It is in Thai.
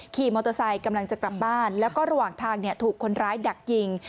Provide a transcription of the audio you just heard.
ขี่มอเตอร์ไซค์กำลังจะกลับบ้านแล้วก็ระหว่างทางถูกคนร้ายดักยิง